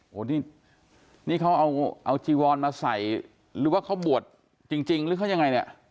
โอ้โหนี่นี่เขาเอาจีวอนมาใส่หรือว่าเขาบวชจริงหรือเขายังไงเนี่ย